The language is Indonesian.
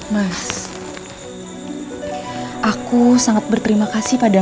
nanti akan mas selanjutkan pahatan